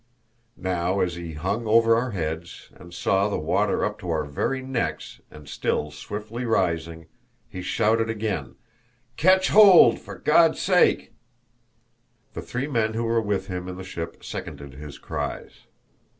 Now as he hung over our heads, and saw the water up to our very necks and still swiftly rising, he shouted again: "Catch hold, for God's sake!" The three men who were with him in the ship seconded his cries.